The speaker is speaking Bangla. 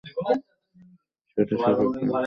এটি শাকিব খান-জয়া আহসান জুটির প্রথম চলচ্চিত্র।